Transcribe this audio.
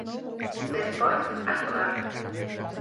Despois, a xogar.